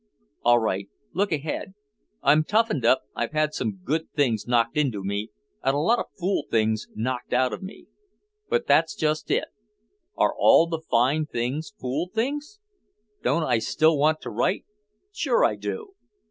"All right, look ahead. I'm toughened up, I've had some good things knocked into me and a lot of fool things knocked out of me. But that's just it. Are all the fine things fool things? Don't I still want to write? Sure I do.